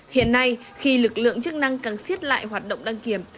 hiện nay khi lực lượng chức năng càng xiết lại hoạt động đăng kiểm